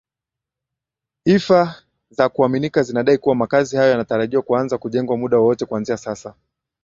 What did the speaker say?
ifa za kuaminika zinadai kuwa makazi hayo yanatarajiwa kuanza kujengwa muda wowote kuanzia sasa